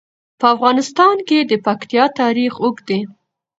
په افغانستان کې د پکتیا تاریخ اوږد دی.